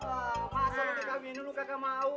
apa asal lu kekawinin lu kakak mau